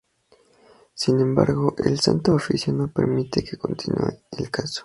Sin embargo, el Santo Oficio no permite que continue el caso.